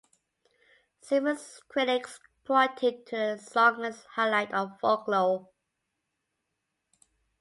Several critics pointed to the song as highlight on "Folklore".